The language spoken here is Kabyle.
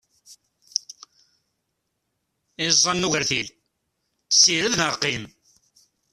Iẓẓan n ugertil, sired neɣ qqim!